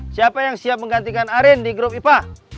siapa yang siap menggantikan aren di grup ipa